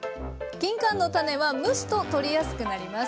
きんかんの種は蒸すと取りやすくなります。